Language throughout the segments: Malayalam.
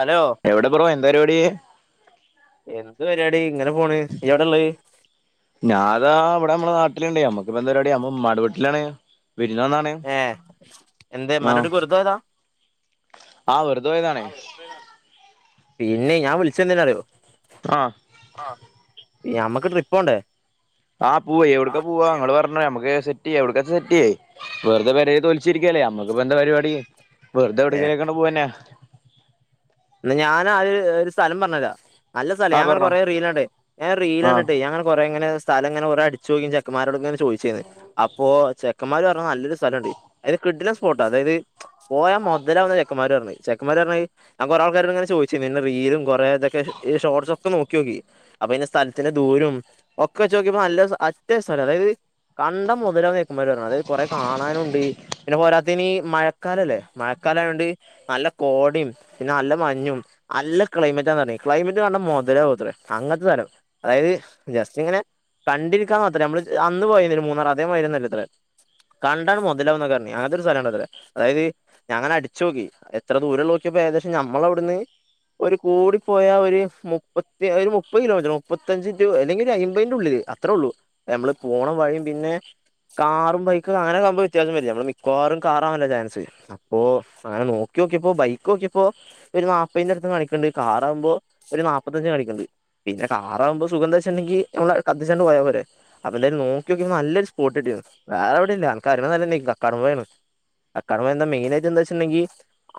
ഹലോ എവിടെ ബ്രോ എന്താപരുവാടി എന്ത് പരിപാടി ഇങ്ങനെ പോണ് ഈ എവടെള്ളത് ഞാ അതാ ഇവിടെ നമ്മള നാട്ടിലുണ്ട് നമ്മുക്ക്പ്പന്ത പരുപാടി നമ്മ ഉമ്മാന്റെ വീട്ടിലാണ് വിരുന്ന് വന്നാണ് ഏ എന്തെ ആ ഉമ്മാന്റെ വീട്ടിൽ വെറുതെപോയതാ? ആ വെറുതെപോയതാണ് പിന്നെ ഞാൻ വിളിച്ചത് എന്തിനാറിയോ ആഹ്. ആഹ് ഞമ്മക്ക് ട്രിപ്പോണ്ടേ. ആഹ് പോവെയ് യൊട്ക്ക പോവാ ങ്ങള് പർഞ്ഞോ ഞമ്മക്ക് സെറ്റെയ്യ എവിട്ക്ക സെറ്റെയ്യ്. വെറർതെ പെരെ തൊൽച്ചിര്ക്കയല്ലേ ഞമ്മക്ക് പ്പെന്താ പരിപാടി വെർതെ ഏ എവ്ടെങ്കിലൊക്കെങ്ങനെ പോവന്നെ. ന്ന ഞാനവ് ആ ഒരു സ്ഥലം പർഞ്ഞെര. നല്ല സ്ഥല ആ ഞാങ്ങനെ പറഞ്ഞോ കൊറെ റീലണ്ട് ഞാ ആ റീലണ്ടിട്ടെ ഞാങ്ങനെ കൊറേങ്ങനെ. സ്ഥലംങ്ങനെ ഓര് അട്ച്ചോക്കി ചെക്കമ്മാരോട്ങ്ങനെ ചോദിച്ചന്ന് അപ്പോ ചെ ക്കമ്മാര് പർഞ്ഞു നല്ലൊരു സ്ഥലണ്ട് അയത് കിഡിലം സ്പോട്ട് അതായ്ത്. പോയാ മൊതലാവുന്ന ചെക്കന്മാര് പർഞ് ചെക്കന്മാര് പർഞ്ഞത്. ഞാ കൊറേൾക്കാരോടിങ്ങനെ ചോയ്ച്ചിന് പിന്നെ റീലും കൊറേ തക്കെ ഷോർട്സൊക്കെ നോക്ക്യോക്കി. അപ്പ പിന്നെ സ്ഥൽത്തിൻ്റെ ദൂരും ഒക്കെച്ചോക്ക്യപ്പൊ നല്ല സ് അറ്റ സ്ഥല അതായ്‌ത്. കണ്ടം മൊതലാവുന്ന ചെക്കമ്മാര് പർഞ അതായ കൊറെ കാണാനുണ്ട്. പിന്നെ പോരാത്തെനി മഴക്കാലല്ലേ മഴക്കാലയൊണ്ട് നല്ല കോടിം. പിന്നെ നല്ല മഞ്ഞും അല്ല ക്ലൈമറ്റാന്നർഞ്ഞി ക്ലൈമറ്റ് കണ്ട മൊതലാവുത്ര അങ്ങത്തെ സ്ഥലം. അതായത് ജസ്റ്റ്ങ്ങനെ കണ്ടിരിക്കാ മാത്ര നമ്മള് അന്ന് പോയരി മൂന്നാറതെ മാതിരിയോന്നല്ലത്രെ. കണ്ടാണ് മൊതലാവുന്നൊക്കെ പർഞ് അങ്ങൻത്തെരു സ്ഥലംണ്ടത്രെ അതായത് ഞാങ്ങന അട്ച്ചോക്കി എത്ര ദൂരള്ളോ ക്ക് പ്പേകദേശം ഞമ്മഇവ്ട്ന്ന്. ഒരു കൂടിപ്പോയാ ഒര് മുപ്പത്തി ഒരു മുപ്പത് കിലോമീറ്റർ മുപ്പത്തഞ്ച് ടു അല്ലെങ്കി ഒരു അയ്മ്പതിന്റെ ഉള്ളില്. ത്രള്ളൂ പ്പഞമ്മള് പോണ വഴിം പിന്നെ. കാറും ബൈക്കക അങ്ങനെക്കാവുമ്പോ വിത്യാസം വരില്ലേ നമ്മള് മിക്കവാറും കാറാണല്ലോ ചാൻസ്. അപ്പൊ അങ്ങനെ നോക്ക്യോക്ക്യപ്പോ ബൈക്കോക്ക്യപ്പോ. ഒരു നാപ്പെന്റട്ത് കാണിക്ക്ണ്ട് കാറാവുമ്പോ ഒരു നാപ്പത്തഞ്ച് കാണിക്കണ്ട്. പിന്നെ കാറാവുമ്പൊ സുഖന്തച്ചിണ്ടെങ്കി നമ്മളെ കത്തിച്ചാണ്ട് പോയാ പോരെ. അപ്പന്തായാലും നോക്ക്യൊക്കിപ്പ നല്ലൊരു സ്പോട്ടിട്ടിണ് വേറെ എവിടെല്ല അൻക്കറിണ സലന്നെ കക്കാടംപൊയെണ്. കക്കാടംപൊയെന്താ മെയിനായിട്ട് എന്താ വെച്ചിട്ടുണ്ടെങ്കി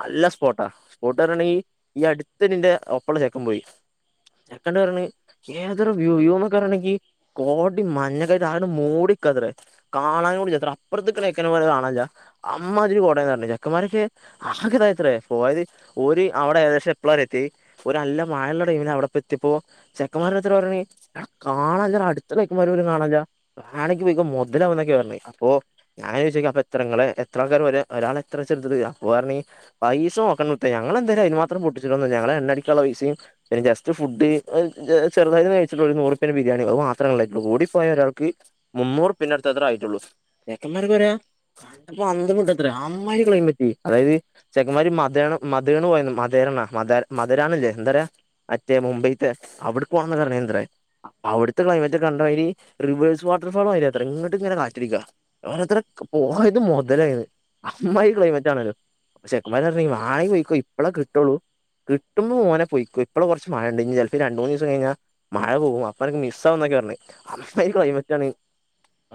അല്ല സ്പോട്ടാ സ്പോട്ട് പറണെങ്കി ഈ അടുത്തടിന്റെ ഒപ്പള്ള ചെക്കൻ പോയി ചെക്കണ്ട്പർണ്. ഏതൊരു വ്യൂ വ്യൂന്നൊക്ക പറണങ്കി കോടിം മഞ്ഞക്കെയ്ട്ട് ആകെ മൂടിക്ക ത്രെ. കാണാനും കൂടിയില്ലത്ര അപ്പർത്തേ നിക്കന ചെക്കനെ പോലും കാണാൻല്ലാ അമ്മാതിരി കോടയാന്നാ പറഞ്ഞേ ചെക്കമാരൊക്കെ ആകെഇതായത്രേ പോയത് ഓര് അവിടെ ഏകദേശം എപ്പോളറിയോ എത്തിയെ ഓര് നല്ല മഴള്ള ടൈമിന അവിടെപ്പത്തിയപ്പോ ചെക്കന്മാര് ഓരോരുത്തർ പറഞ്ഞ് എടാ കാണാ ഇല്ലടാ അടുത്ത ചെക്കന്മാർ പോലും കാണാല്ലാ ആടേക്ക് പോയ്ക്കോ മൊതലാവുന്നൊക്കെ പറഞ്ഞെ അപ്പോ ഞാൻ വിചാരിച്ചു അപ്പ എത്രങ്ങള് എത്രൾക്കാർ വര ഒരാള് എത്ര വെച്ച എടുത്തത് അപ്പൊ പറഞ്ഞ് പൈസ പൈസ നോക്കണ്ട മുത്തെ ഞങ്ങള് എന്താലും അയിന് മാത്രം പൊട്ടിച്ചിട്ടൊന്നുല്ല ഞങ്ങൾ എണ്ണ അടിക്കനുള്ള പൈസയും പിന്നെ ജസ്റ്റ് ഫുഡ് ചെറുതായിന്ന് കഴിച്ചിട്ടുള്ള ഒരു നൂറ്പ്പേന് ബിരിയാണി അത് മാത്രങ്ങള് കഴിക്കു കൂടിപ്പോയാ ഒരാൾക്ക് മുന്നൂറുപ്യന്റെ അടുത്തത്രേ ആയിട്ടുള്ളൂ ചെക്കന്മാർക്ക് പോര കണ്ടപ്പ അന്തം വിട്ടത്രെ അമ്മാരി ക്ലൈമറ്റ് അതായത് ചെക്കന്മാരു മ മത മധേണ് പോയന്നു മധേരണ മ മധരാന്നല്ലേ എന്തരാ മറ്റേ മുംബൈത്തെ അവിടെ പോണെന്ന് പറഞ്ഞെന്ത്രാ അവിടുത്തെ ക്ലൈമറ്റ് ഒക്കെ കണ്ട അയിരി റിവേഴ്സ് വാട്ടർഫോളായിരിയത്രെ ഇങ്ങട്ട ഇങ്ങനെ കാറ്റിടിക്ക യത്രക്ക്‌ പോയത് മൊതലായത് അമ്മായിരി ക്ലൈമറ്റാണല്ലോ ചെക്കന്മാരാർഞ്ഞ് - ആയ് പോയ്ക്കോ ഇപ്പളാ കിട്ടുള്ളൂ കിട്ട്മ്പൊ മോനേ പോയിക്കോ ഇപ്പളാ കൊറച്ച് മഴയണ്ട് ചെല്പം രണ്ട്മൂന്നീസം കഴിഞ്ഞ മഴ പോകും അപ്പനിക്ക് മിസ്സാന്നൊക്കെ പറഞ്ഞേ അമ്മായിരി ക്ലൈമറ്റാണ്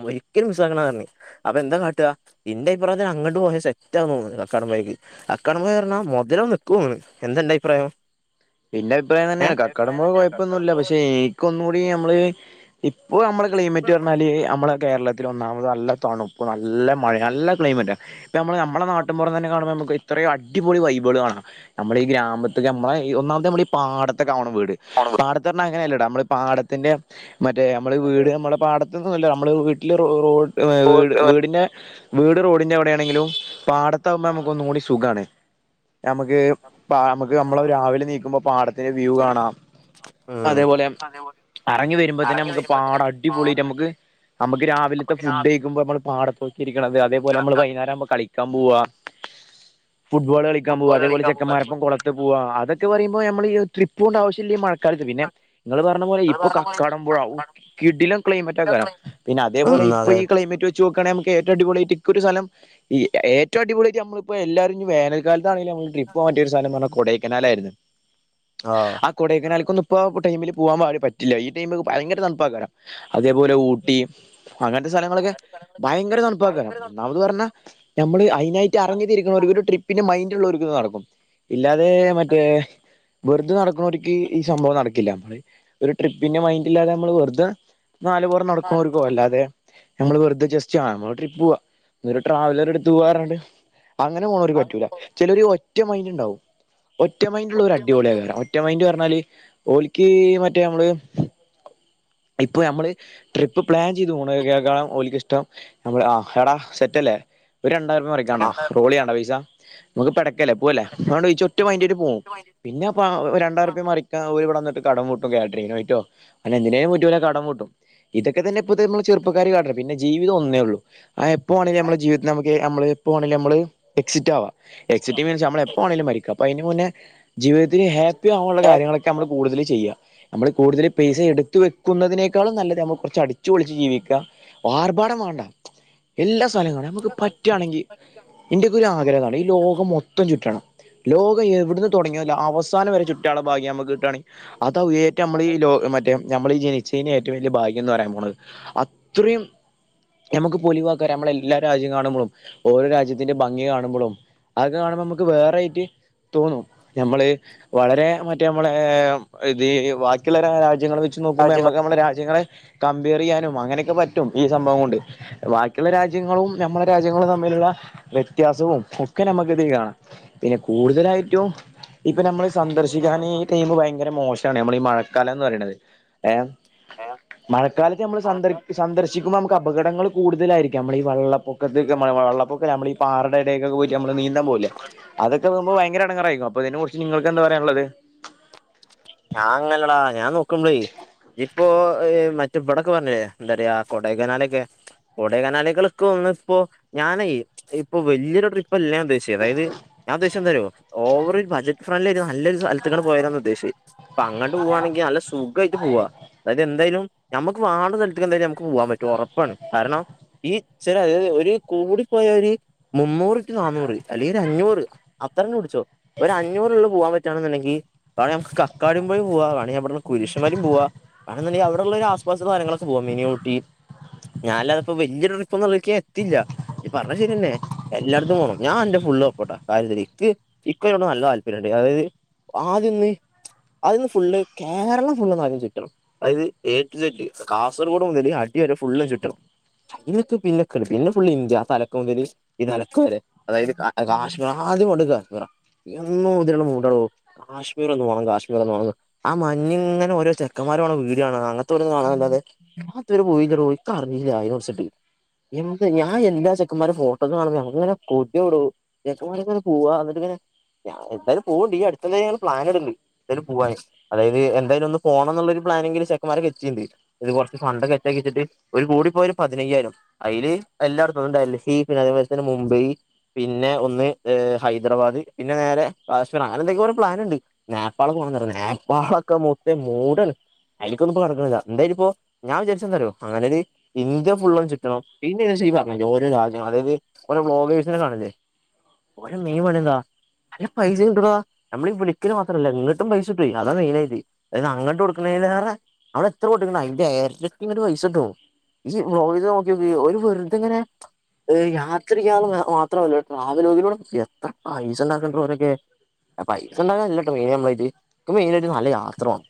ഒരിക്കലും മിസ്സാക്കണറഞ്ഞെ. അപ്പൊ എന്താ കാട്ടാ ഇന്റെ അഭിപ്രായത്തിന് അങ്ങട്ട് പോയാ സെറ്റന്ന് തോന്നണു കക്കാടം പോയേക്ക് ആഹ് [unintelligible] മധുരം നിക്ക് എന്തന്റെ അഭിപ്രായം പിന്നെ ഭിപ്രായന്നെണ് ഏഹ് കക്കടം പോ കൊഴപ്പൊന്നുല്ല പക്ഷെ എനിക് ഒന്നുടി ഞമ്മള് ഇപ്പൊ നമ്മളെ ക്ലൈമറ്റ് ന്നാല് നമ്മള കേരള ൽ ഒന്നാമത് നല്ല തണുപ്പ് നല്ല മഴ നല്ല ക്ലൈമറ്റ് ഇപ്പ നമ്മള് നമ്മ നാട്ടിപുറം തന്നെ കാണുമ്പോ നമുക്കൊ ഇത്രയും അടിപൊളി വൈബള് കാണാം. ഞമ്മളെ ഈ ഗ്രാമത്തൊക്കെ ഞമ്മളെ ഒന്നാമത്തെ നമ്മുടെ ഈ പാടത്തക്കാവണ വീട്. ഉം പാടത്തെ പറ്ഞ്ഞ അങ്ങനെല്ലടാ നമ്മള് പാടത്തിന്റെ മറ്റേ നമ്മള് വീട് നമ്മളെ പാട ന്നല്ല നമ്മള് വീട്ടില് റോട് വീട് വീടിന്റെ വീട് റോഡിന്റെ അവിടെണെങ്കിലും പാടത്താകുമ്പോ നമക്ക് ഒന്നുകൂടി സുഖാണ് നമ്മക്ക് പാ നമുക്ക് നമ്മള രാവിലെണിക്കുമ്പോ പാടത്തിന്റെ വ്യൂ കാണാം. ഉം പറങ്ങി വരുമ്പോ തന്നെ നമുക്ക് പാടം അടിപൊളിറ്റ് പാടം ഞമ്മക്ക് നമക്ക് രാവിലത്തെ നമുക്ക് രാവിലെ ഫുഡയിക്കുമ്പോ നമ്മൾ പാടത്തോക്കിരിക്കണത് അതേപോലെ നമ്മൾ വൈ ആരാഉമ്പ കളിക്കാൻപോവാ ഫുട്ബോൾ കളിക്കാൻ പോവാ ഫുട്ബോൾ അതേപോലെ കളിക്കാൻ പോകും ചെക്കാൻമാരെപ്പോ അതേപോലെ കോള ട്ട് പോവാ അതക്കെ പറയുമ്പോ നമ്മൾ ഈ ട്രിപ് ഓണ്ട ആശ്യല്ല്യ മാ കാലത്ത് പിന്നെ ങ്ങള് പറഞ്ഞ പോലെ അത് ഇപ്പൊ പറഞ്ഞ പോലെ ഇപ്പൊ കക്കാടമ്പോഴവു കക്കാടം കിടിലം പൊഴേലെ ക്ലൈമറ്റൊക്കാരം ക്ലൈമറ്റ് പിന്നെ ഉം അതേപോലെ ഇപ്പോ അതെ ക്ലൈമറ്റ് വെ വച്ച് നോക്കാണേ മ്മക്ക് ഏറ്റോ അടിപൊളി ആയിട്ട്ക്ക ഒരു സ്ഥലം ഈ ഏറ്റവും അടിപൊളിയ്ട്ട നമ്മളിപ്പോ എല്ലരും ഞ് വേനൽകാലതാനാണങ്കില് നമ്മ ട്രിപ്പ് പോവാൻറ്റിയ ഒരു സ്ഥലം പറഞ്ഞാ കൊടയ്ക്കനാലായിരുന്നു ആഹ് കൊടേയ്ക്കനാല്ക്കൊന്ന് ഇപ്പോ ടൈമില് പോവാൻ വായ് പറ്റില്ല ഈ ടൈമിൽ ഭയങ്കര തണുപ്പാക്കാരം അതേപോലെ ഊട്ടി അങ്ങൻത്തെ സ്ഥലങ്ങളൊക്കെ അങ്ങനത്തെ സ്ഥലങ്ങളൊക്കെ ഭയങ്കര തണുപ്പാക്കാരം ഭയങ്കര തണുപ്പാണ് ഒന്നാമത് പറഞ്ഞാ നമ്മള് അയി ഇതിനായിട്ട് അറഞ്ഞി തിരിക്കുന്ന ഒരു ഒരു ട്രിപ്പിന്റെ മൈൻഡ് ഉള്ളോര്ക്ക് ഇത് നടക്കും. ഇല്ലാതെ മറ്റേ അതിന് വെറുതെ നടക്ക്നോർക്ക് ഈ സംഭവം നടക്കില്ല. ഒരു ട്രിപ്പിന്റെ മൈന്റ്ല്ലാതെ നമ്മള് വെറുതെ നാല് പുറം നടക്കുന്ന നാല് ഓർക്ക് മണി നടക്കും. അല്ലാതെ നമ്മൾ വെറുതെ ജസ്റ്റ് ആഹ് നമ്മള് ട്രിപ്പ് പോവാ ഒരു ട്രാവലർ എടുത്ത് പോവാറാഞ്ഞാട്ട് അങ്ങനെ പോണൊരു അങ്ങനെ പറ്റൂല ചിലര് ഒറ്റ മൈൻഡ് ഉണ്ടാവും ഒറ്റ മൈൻഡ് ഉള്ള ഒരു ഒറ്റ മൈൻഡ് അടിപൊളിയേകാരം. ഒറ്റമായിന്റ് പറഞ്ഞാല് ഓലിക്ക് മറ്റേ നമ്മള് ഇപ്പൊ നമ്മള് ട്രിപ്പ് പ്ലാൻ ചെയ്ത് പോണേകെക്കാളം ഓലിക്ക ഇഷ്ടം നമ്മൾ ആഹ് എടാ സെറ്റല്ലേ ഒരു രണ്ടായിരം രൂപ മറിക്കണ്ടാ റോളിയാണ്ട പൈസ നമുക്ക് പടക്കല്ല പോവല്ലേ [unintelligible] ഒറ്റമയിൻ്റ്ന് പോകും പിന്നെ പ്പ രണ്ടായിരുപ മറിക്കാ ഒരു ഇവടെന്നിട്ട് കടം വീട്ടും കേറ്ററിംഗ് പോയിട്ടോ അങ്ങനെ എന്തിനേ പോ കട വീട്ടും ഇതൊക്കെ തന്നെ ഇപ്പോഴത്തെ നമ്മള് ചെറുപ്പക്കാർ കാട്ട്ണ് പിന്നെ ജീവിതം ഒന്നേ ഉള്ളു ആ പ്പോ വാണെലും നമ്മള് ജീവിത്തിൽ നമക് അമ്മള് പോ ആണെലു അമ്മള് എക്സിറ്റ് ആവാ എക്സിറ്റ് മീൻസ് നമ്മള് എപ്പോവാണെലു മരിക്കാം പ്പയ്ന് മുന്നേ ജീവിതത്തിൽ ഹാപ്പി ആവാൻള്ള കാര്യങ്ങളൊക്കെ അമ്മള് കൂടുതലും ചെയ്യ നമ്മൾ കൂടുതൽ പൈസ എടുത്തു വെ ക്കുന്നാതിനേക്കാളും നല്ലത് നമ്മൾ കുറച്ച് അടിച്ചുപോളിച്ച് ജീവിക്ക ആവാർഭാടം വേണ്ട എല്ലാ സ്ഥലങ്ങള നമുക്ക് പറ്റാണെങ്കിൽ ഇന്റെക്കൊരു ആഗ്രഹണ് ഈ ലോകം മൊത്തം ചുറ്റണം ലോകം എവിടന്ന് തുടങ്ങിയല്ല അവസാനം വരെ ചു റ്റാള്ള ഭാഗ്യം നമ്മക്ക്‌ കിട്ടാണ അതാവു ഏറ്റവും നമ്മളെ ഈ ലോ മറ്റെ നമ്മളീ ജനി ചീനെ ഏറ്റവും വലിയ ഭാഗ്യം എന്ന് പറയാൻ പോണത് അത്രയും ഞമക്ക് പൊലിവാക്കാ രമ്മള് എല്ലാ രാജ്യം കാണുമ്പോളും ഓരോ രാജ്യത്തിന്റെ ഭംഗി കാണുമ്പോളും അതൊക്കെ കാണുമ്പോ നമുക്ക് വേറൊയിട്ട് തോന്നും ഞമ്മള് വളരെ മറ്റേ നമ്മളെ ഇതി വാക്കിയുള്ള രാജ്യങ്ങളെ വെച്ച് നോ ക്ക്മ്പോ രാജ്യങ്ങൾ ഞമ്മക്ക് നമ്മടെ രാജ്യങ്ങളെ കമ്പെയർ ചെയ്യാനും അങ്ങനെയൊക്കെ പറ്റും ഈ സംഭവം കൊണ്ട് വാക്കിയുള്ള രാജ്യങ്ങളും ഞമ്മളെ രാജ്യങ്ങളും തമ്മിലുള്ള വ്യത്യാസവും ഒക്കെ നമുക്ക് ഇതി കാണാം പിന്നെ കൂടുതലായിറ്റും ഇപ്പൊ നമ്മൾ സന്ദർശിക്കാന് ഈ ടൈംമ് ഭയങ്കര മോശാണ് നമ്മള് ഈ മഴക്കാലം എന്ന് പറയണത് ഏ മഴക്കാലത്ത് നമ്മൾ സന്ദർ സന്ദർശിക്കുമ്പോൾ നമുക്ക് അപകടങ്ങളും കൂടുതലായിരിക്കും നമ്മൾ ഈ വള്ളപ്പൊക്കത്ത്ക്ക് മഴ മഴ വെള്ളപ്പൊക്കം നമ്മൾ ഈ പാറേടെ ഇടേക്കൊക്കെ പോയിട്ട് നമ്മള് നീ ന്താൻ പോവൂലെ അതൊക്കെ പോകുമ്പോ ഭയങ്കര എടങ്ങേറ് ആയിരിക്കും അപ്പ ഇതിനെ കുറിച്ച് നിങ്ങക്ക് എന്താ പറയാനുള്ളത് ഞാൻ അങ്ങനല്ലെടാ ഞാൻ നോക്കുബ്ലെ ഇപ്പോ ഈ മറ്റേ ഇവടൊക്കെ പറഞ്ഞില്ലേ എന്താ പറയാ കൊടൈകനാലൊക്കെ കോടൈകനാലികൾക്കെ ഒന്ന് ഇപ്പോ ഞാനെ ഇപ്പൊ വല്യയൊരു ട്രിപ്പല്ല ഞാൻ ഉദ്ദേശിച്ചത് അതായത് ഞാൻ ഉദ്ദേശം എന്താറിയോ ഓവർ ബജറ്റ് ഫ്രണ്ടിൽ ആയി നല്ലൊരു സ്ഥത്തേക്കാങ്ങട് പോയാലോന്നാ ഉദ്ദേശ് അപ്പൊ അങ്ങട്ട് പോവാണെങ്കി നല്ല സുഖായിട്ട് പോവാ അതായത് എന്തായാലും നമുക്ക് വാണ്ട സ്ഥലത്ത്ക്ക് എന്താലും ക്ക്‌ പോവാൻ പറ്റും ഉറപ്പാണ് കാരണം ഈ ചില ഒരു കൂടി പോയ ഒരു മുന്നൂറ് റ്റൂ നാന്നൂറ് അല്ലെങ്കിൽ ഒരു അഞ്ഞൂറ് അത്ര തുടിച്ചോ ഒര് അഞ്ഞൂറുള്ളിൽ പോവാൻ പറ്റുആണെന്നുണ്ടെങ്കി അതാണെ നമുക്ക് കക്കാടിപൊഴി പോവാ വേണെ അവിടുന്ന് കുരിശുമലേം പോവാ വേണെന്തുണ്ടെങ്കി അവിടെള്ള ഒരു ആസ് പാസ്സ് സ്ഥലങ്ങളോക്കെ പോവാം മിനി ഊട്ടി ഞാനില്ലാതിപ്പോ വല്യ ട്രിപ്പൊന്നും നോക്കിയ എത്തില്ല ഈ പറഞ്ഞത് ശരിയന്നെ എല്ലാട്ത്തും പോണം ഞാൻ അന്റെ ഫുള്ള് സപ്പോട്ടാ കാര്യത്തില് ഇക്ക് ഇക്കുഅതിനോട് നല്ല താല്പര്യംണ്ട് അതായത് ആദ്യഒന്ന് അദ്യോന്ന് ഫുള്ള് കേരളം ഫുള്ളൊന്ന് ആദ്യം ചുറ്റണം അതത് ഏട്ടു ചെട്ട് കാസർഗോഡ് മുതൽ അടി വരെ ഫുള്ളും ചുറ്റണം ചൈനൊക്കെ പിന്നെക്ക്ണ് പിന്നെ ഫുള്ള് ഇന്ത്യ ആ തലക്ക് മുതല് ഈ നെലക്ക് വരെ അതായത് കാ കാശ്മീർ ആദ്യ പോകണ്ട കാശ്മീരാ എന്നോ മൊതലൊള്ള മൂഡാണ് കാശ്മീർ ഒന്ന് പോണം കാശ് [unintelligible] ആ മഞ്ഞിങ്ങന ഓരോ ചെക്കന്മാര് പോണ വീഡിയോ കാണോ അങ്ങനതോരോന്ന് കാണാൻ അല്ലാതെ ഞാഇത്വരെ പോയില്ലെടോ എനിക്കറിഞ്ഞില്ല അയിനെറിച്ചിട്ട് എന്ത്, ഞാ എല്ലാ ചെക്കന്മാരേം ഫോട്ടോസ് കാണുന്നെയാ. ഞമ്മക് ങ്ങനെ കൊതിയാവോടോ. ചെക്കമ്മാരോക്കെ ങ്ങനെ പോവാ. അന്നിട്ട് ഇങ്ങനെ ഞാ, എന്തായാലും പോവ്ണ്ട്. ഈ അടുത്ത് ന്തായാലും പ്ലാന് ഇട്ണ്ട്. എന്താലും പോവാന് അതായത് എന്തായാലൊന്ന് പോണന്നുള്ളൊരു പ്ലാനിങ്ങില് ചെക്കന്മാരെ വെച്ചിണ്ട് ഇത് കുറച്ച് ഫണ്ടൊക്കെ സെറ്റക്കി വെച്ചിട്ട്, ഒരു കൂടി പോയ ഒരു പതിനയ്യായിരം. അയ്ല്, എല്ലായിടത്ത് [unintelligible] ഡൽഹി, പിന്നെ അതേമാരി തന്നെ മുംബൈ പിന്നെ, ഒന്ന് ഹൈദരാബാദ്. പിന്നെ, നേരെ കാശ്മീർ. അങ്ങനെ, എന്തൊക്കെ കൊറേ പ്ലാൻ ഉണ്ട്. ഞ നേപ്പാളൊക്കെ പോണംന്നാറയുന്ന്. നേപ്പാളൊക്കെ മൊത്തം മൂടാണ്. അയിലിക്കൊന്നുംഇപ്പോ കടക്ക്ണില്ല. എന്തായാലും ഇപ്പോ ഞാൻ വിചാരിച്ച എന്താറിയുഒ അങ്ങനൊ ഒരു ഇന്ത്യ ഫുള്ളും ചുറ്റണം പിന്നെന്ന് വെച്ച ഈ പറഞ്ഞ ഓരോ രാജ്യം അതായത് കുറേ വ്ലോഗേർസിനെ കാണില്ലേ? ഓലെ മെയിൻ പണി എന്താ? അയ്ല് പൈസ ഇടും എടാ. നമ്മളി വിളിക്കല് മാത്രല്ല ഇങ്ങ ങ്ങട്ടും പൈസ കിട്ടോയ്. അതാ മെയിനായിറ്റ്. അത് അങ്ങട്ട് കൊടുക്ക് ണീലേറെ അവിടെ എത്ര കൊടുക്ക്ണ്, അയിന്റെ ഏരട്ടി ഇങ്ങട്ട് പൈസട്ടും. ഇയ്യ് വ്ലോഗില് നോക്കിയോക്ക്, ഓര് വെറുതെങ്ങനെ യാത്രിക്കാണ് എത്ര വല്യ ട്രാവൽ വോഗിലൂടെ എത്ര പൈസ ഉണ്ടാക്കട്രോരൊക്കെ പൈസ ഉണ്ടാക്കാൻ അല്ലട്ടോ മെയിൻ നമ്മളെ ഇത്. ഇക്ക് മെയിനായിട്ട് നല്ല യാത്ര വാണം.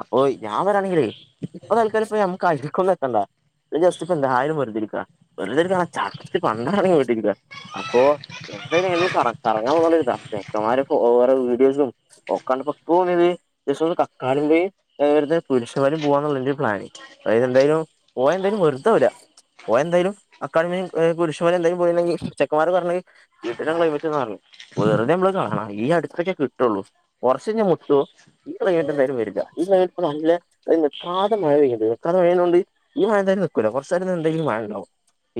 അപ്പൊ ഞാൻ പറയാണെങ്കിലേയ്! ഇപ്പൊ തൽക്കാലം ഇപ്പോ ഞമ്മക് അയില്കൊന്നും എത്തണ്ട. ജസ്റ്റ് ഇപ്പ എന്തായാലും വെറുതെ ഇരിക്ക. വെറുതെ ഇരിക്കാന്നറഞ ചടച്ച് പണ്ടാരടങ്ങി വീട്ടില് ഇരിക്ക. അപ്പോ, എന്തായാലും, ഏതായാലും കറ, കറങ്ങാൻ പോക്കാനൊരിതാ. ചെക്കന്മാരോപ്പം ഓരോ വീഡിയോസും ഒക്കണ്ടപ്പോ. [unintelligible] ജസ്റ്റ്‌ ഒന്ന് കക്കാടംമ്പൊയിൽ ആട്ന്ന് തുരിഷ് മലിം പോവാന്നുള്ളതിന്റേം പ്ലാന്. അതായത് എന്തായാലും, പോയ എന്തായാലും വെറ്തെ ല്ല പോയ എന്തേലും കക്കാടംപൊഴി കുരിശുമലേം എന്തായാലും പോയിണ്ടെങ്കി ചെക്കന്മാര് പറെഞ്ഞി കിടിലം ക്ലൈമറ്റ് മാറി വെറുതെ നമ്മള് കാണാം ഈ അടുത്തൊക്കെ കിട്ടുള്ളൂ കുറച്ച് കഴിഞ്ഞ സൊ ഈ ക്ലൈമറ്റ് എന്തായാലും വരില്ല ഈ ക്ലൈമറ്റ് നല്ല നിർത്താതെ മഴ പെയ്ണ്ട് നിർത്താതെ മഴപെയ്ന്നത് കൊണ്ട് ഈ മഴയെന്താലും നിൽകൂല കുറച്ച് നേരം എന്തായാലും മഴ ഉണ്ടാവും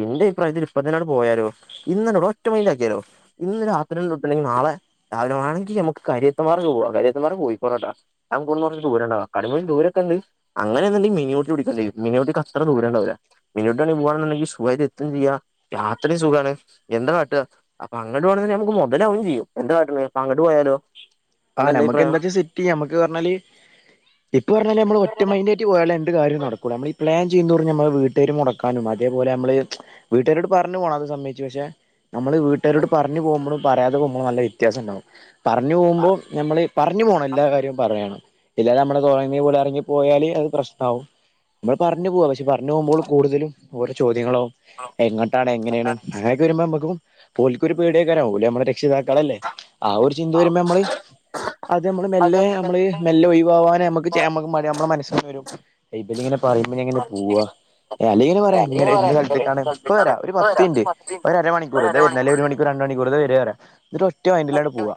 എന്റെ അഭിപ്രയത്തിൽ ഇപ്പം തന്നെ അങ്ങോട്ട് പോയലോ ഇന്ന് തന്നെ പോവാ ഒറ്റ മൈന്റ് ആക്കിയാലോ ഇന്ന് രാത്രിലൂപ്പിലിങ്ങ് നാളെ രാവിലെയാണെങ്കി നമ്മക്ക് കരിയത്തുപാറ ഒന്ന് പോവാ കരിയത്തുപാറ കോഴിക്കോടാട്ടാ ഞാൻ പോവൂന്ന് പറഞ്ഞ് ദൂരെ അല്ല കക്കാടംപൊഴി ദൂലെക്കെണ്ട് അങ്ങനെന്തെണ്ടെങ്കിൽ മീനി ഊട്ടി പിടിക്കേണ്ടി വരും മിനുട്ടിക്ക് അത്ര ദൂരംണ്ടാവില്ല മീനൂട്ടിയുണ്ടെങ്കി പോവാണുന്നുണ്ടെങ്കി സുഖായിട്ട് എത്തും ചെയ്യുക യാത്രയും സുഖാണ് എന്താ കാട്ട്ക അപ്പൊ അങ്ങട്ട് പോകണേ നമുക്ക് മൊതലാവും ചെയ്യും എന്താകാട്ടണ് ഇപ്പ അങ്ങട്ട് പോയാലോ എന്താ അന്റെ ആഞമ്മക്ക് അഭിപ്രായം എന്താച്ചാ സെറ്റ് ചെയ്യാം നമ്മക്ക് പറഞ്ഞാല് ഇപ്പ പറഞ്ഞാല് നമ്മള് ഒറ്റ മൈൻ ഒറ്റക്ക് പോയാല്എന്ത് കാര്യം നടക്കൂല നമ്മള് ഈ പ്ലാൻ ചെയുന്തോറും നമ്മള് വീട്ടുകാര് മുടക്കാനും അതേപോലെ നമ്മള് വീട്ടുകാരോട് പറഞ്ഞു പോകണം അത് സമ്മയിച്ചു പക്ഷെ നമ്മള് വീട്ടുകാരോട് നമ്മള് പറഞ്ഞ് പോകുമ്പോഴും പറയാതെ പോകുമ്പോഴും നല്ല വ്യത്യാസം ഉണ്ടാവും പറഞ്ഞു പോകുമ്പോ നമ്മള് പറഞ്ഞു പോണം എല്ലാ കാര്യവും പറയണം ഇല്ലാ നമ്മള് തോന്നിയ പോലെ ഇറങ്ങി പോയാല് അത് പ്രശ്നമാവും നമ്മൾ പറഞ്ഞു പോവാ പക്ഷെ പറഞ്ഞു പോകുമ്പോൾ കൂടുതലും ഓരോ ചോദ്യങ്ങളാകും എങ്ങോട്ടാണ് എങ്ങനെയാണ് ആ വരുമ്പോ നമ്മുക്ക് ഓൽക്ക് ഒരു പേടിയൊ ക്കെയാവും ഓല് നമ്മുടെ രക്ഷിതാക്കളല്ലേ ആ ഒരു ചിന്ത വരുമ്പോ നമ്മള് അത് നമ്മള് മെല്ലെ നമ്മള് മെല്ലെ ഒഴിവാവാന് നമ്മക്ക് ചേ നമുക്ക് നമ്മുടെ മനസിന്ന് വരും ഇവര് പറയുബം ഇങ്ങനെ പോവാ പറഞ്ഞു അല്ലെങ്കിൽ ഇങ്ങനെ പറ കളിന്ന് പറയാ ഇന്ന് എന്ത് സ്ഥലംത്തിക്കാണ് ഇപ്പ കളിച്ചിട്ടാണ് വരാ ഒരു ഇപ്പൊ പത്ത് രാത്രി പത്തരയുണ്ട് മിനിറ്റ് ഒരമണിക്കൂർ ഒരു ദേ എന്നാല് അരമണിക്കൂർ ഒരു മണിക്കൂർ അരമണിക്കൂർ ദേ വരാഎന്നിട്ട് ഒറ്റ മൈറ്റില് അങ് പോവുക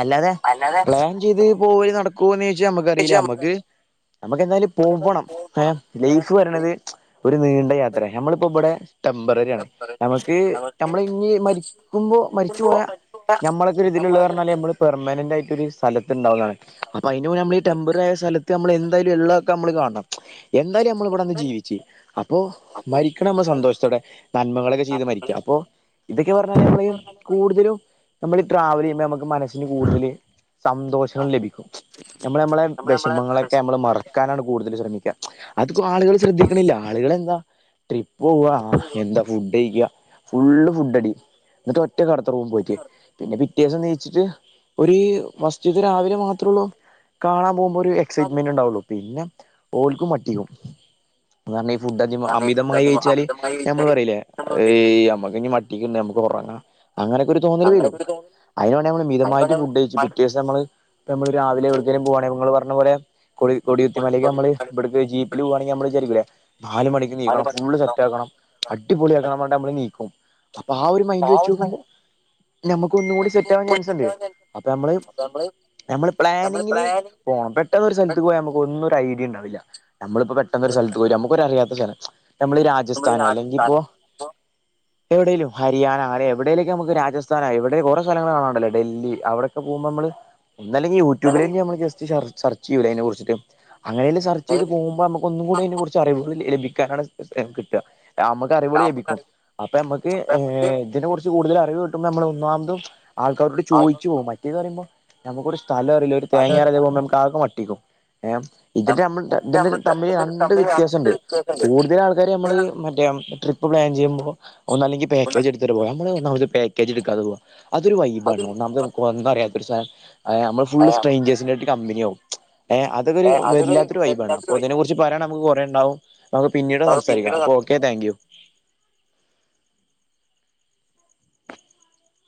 അല്ലാതെ പ്ലാൻ ചെയ്ത് പോവല് നടക്കൂല [unintelligible] ചോദിച്ചാൽ നമുക്കറിയില്ല നമുക്കറിയാം. നമുക്ക് നമുക്ക് എന്തായാലും പോ നമുക്ക് വ്വണം ഏ പോകണം ഏ, ലൈഫ് ഈ പറയണത് ഒരു നീണ്ട യാത്ര നമ്മളിപ്പം ഇവിടെ ടെമ്പററി ആണ് നമുക്ക് നമുക്ക് നമ്മൾ ഇനി മരിക്കുമ്പോ മരിച്ചു പോയാ ഞമ്മളെക്കെ ഇതിലുള്ള നമ്മളൊക്കെ എന്നാലെനമ്മള് പെർമലന്റ് ആയിട്ട് ഒരു സ്ഥലത്ത് ഉണ്ടാവുന്നതാണ് അപ്പൊ അതിന് മുന്നേ നമ്മള് ടെമ്പററി ആയ സ്ഥല നമ്മള് എന്തായാലും ഉള്ളതൊക്കെ നമ്മള് കാണണം എന്തായാലും നമ്മൾ ഇവിടെന്ന് ജീവിച്ച് അപ്പോ അപ്പൊ മരിക്കണത് നമ്മ സന്തോഷത്തോടെ നന്മകളെക്കെ ചെയ്ത് മരിക്കാം അപ്പൊ ഏന്തൊക്കെ പറഞ്ഞാല് നമ്മള് ഈ കൂടുതലും നമ്മള് ട്രാവല് ചെയ്യുമ്പോ നമ്മ മനസ്സിന് കൂടുതല് സന്തോഷങ്ങൾ ലഭിക്കും നമ്മള് നമ്മളെ നമ്മൾ നമ്മളെ വിഷമങ്ങളൊക്കെ നമ്മള് വിഷമങ്ങൾ മറക്കാനാണ് കൂടുതലും ശ്രമിക്കുക അതൊക്കും ആളുകൾ ശ്രദ്ധിക്കണില്ല ആളുകളെന്താ ട്രിപ്പ് പോവ്വ ആ എന്താ ഫുഡ് കഴിക്ക ഫുള്ള് ഫുഡ് അടി എന്നിട്ട് ഒറ്റ കിടത്താ- റും പോയിട്ട്പിന്നെ പിറ്റെസം എണീച്ചിട്ട്ഒരു ഫസ്റ്റ്റ്റത്തെ രാവിലെ മാത്രേ ഉള്ളൂ കാണാൻ പോകുമ്പോ ഒരു എക്സൈറ്റ്മെന്റ് ഉണ്ടാവുള്ളു പിന്നെ ഓൾക്കും മട്ടിയും അതാണ് ഈ ഫുഡ് അടി അമിതമായി കഴിച്ചാല് അമിതമായി ഞമ്മള് കഴിച്ചാല് പറയിലേ നമ്മൾ ഈ പറയില്ലേ നമ്മക്ക് ഇനി മട്ടിക്ക് നമ്മുക്ക് ഉറങ്ങാം അങ്ങനെയൊക്കെ ഒരു തോന്നല് വരും അങ്ങനെയൊക്കെ ഒരു തോന്നൽ അതിന് വേണ്ടി നമ്മക്ക് മിതമായിട്ട് അതിനാണ് ഫുഡ് കഴിച്ചിട്ട് നമ്മൾ പിറ്റേദിവസം നമ്മള് ഇപ്പം നമ്മൾ രാവിലെ എവിട്ക്കെലും പോവാണെല് ഇങൾ പറഞ്ഞപോലെ കൊടി കൊടിയുത്തിയ മലയിൽ നാല് നമ്മള് ഇവിടക്ക് ജീപ്പല് പോവുവാണെങ്കില് നമ്മള് വിചാരിക്കൂലെ നാല് മണിക്ക് എണിക്കണം മണിക്കൂർ ഫുള്ള് എഴുതാം സെറ്റ്ആക്കണം അടിപൊളിയാക്കണം എന്ന് പറഞ്ഞിട്ട് നമ്മള് എണീക്കും അപ്പൊ ആ ഒരു മൈൻറ്റ് ആ വെച്ച് ഒരു നോക്കുമ്പോ സമയത്ത് നമുക്ക് ഒന്നുകൂടി സെ നമുക്ക് സെക്കാൻ പോയി ചാൻസുണ്ട് തെറ്റാൻ ചാൻസ് ഉണ്ട് അപ്പൊ നമ്മള് അപ്പൊ നമ്മള് നമ്മള് നമ്മള് പ്ലാനിങ്ങില് പ്ലാനിങ് പോണം പെട്ടെന്ന ഒരു സ്ഥലത്ത് പോയാ ഒന്നും ഒരു ഐഡിയ ഉണ്ടാവില്ല നമ്മളിപ്പോ പെട്ടെന്ന് ഒരു സ്ഥലത്ത് പോയിട്ട് നമുക്ക് ഒരു അറിയാത്ത സ്ഥലം നമ്മൾ ഈ രാ നമ്മള് രാജസ്ഥാന് അല്ലെങ്കിൽ ഇപ്പോ രാജസ്ഥാനാണ് ഇപ്പൊ എവിടെലും ഹരിയാന അരെ എവിടെലേക്ക് നമുക്ക് രാജസ്ഥാന എവിടെ കുറ സ്ഥലങ്ങള് കാണാണല്ലോ ഡൽഹി അവിടെക്കെ പോകുമ്പോ നമ്മള് ഒന്നല്ലെങ്കില് യൂട്യൂബില് നിലവിൽ നമ്മൾ ജെസ്റ്റ് സർച്ച് ച്യൂല അതിനെ കുറിച്ചിട്ട് അങ്ങനെല്ലാം സെർച്ച് ചെയ്ത് നിലവിൽ പോകുമ്പം നമുക്ക് ഒന്നും കൂടെ അതിനെ കുറിച്ച് അറിവുകൾ ലഭിക്കാനാണ് കിട്ടുക നമുക്ക് അറിവുകൾലഭിക്കും അപ്പൊ നമ്മക്ക് അപ്പൊ നമുക്ക് ഇതിനെ കുറിച്ച് കൂടുതൽ അറിവ് കിട്ടുമ്പോ നമ്മൾ ഒന്നാമത് ആൾക്കാരോട് ചോദുച്ചു ആൾക്കാർക്ക് പോുവും മറ്റേത് പറയുമ്പോ നമുക്ക് ഒരു കല പില [inaudible] ഒരു സ്ഥലം തേങിം അറിയാതെ അറിയാം. പോകുമ്പോ നമുക്ക് ആകെ വട്ടാക്കും ഏ ഇതിന്റെമ്മ ഇത് ഇതിന്റെ നമ്മൾ തമ്മിൽ ഇതിന്റെ രണ്ട് തമ്മിൽ അടുത്ത വ്യത്യാസംഉണ്ട് വ്യത്യാസമുണ്ട് കൂടുതൽ ആൾക്കാര് നമ്മള് മറ്റേ ഇപ്പ പ്ലാൻ ചെയ്യുമ്പോ ഒന്നല്ലെങ്കിൽ പാക്കേജ് എടുത്തിട്ട്പോവും നമ്മള് ഒന്നാമത് പാക്കേജ് എടുക്കാതെപോവാ അതൊരു വൈബാണ് അതിൽ ഒന്നാമത് മനസ്സിലാവും നമുക്ക് ഒന്നും അറിയാത്തസ്സ്തലം നമ്മള് സ്ട്രെഞ്ചേഴ്സ് കമ്പനിയാവും ഏ അതൊക്കെ ഒരു അതൊരു വല്ലാത്തൊരു വൈബ് ആണ് എല്ലാത്തിനും അപ്പോ ഇതിനെ വൈകി കുറിച്ച് പറയാൻ നമുക്ക് കുറെഉണ്ടാവും നമുക്ക് പിന്നീട് അത് സംസാരിക്കാം പിന്നീട് അപ്പൊ സംസാരിക്കും ഓക്കെ താങ്ക് യു